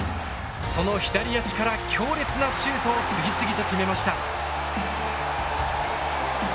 その左足から強烈なシュートを次々と決めました。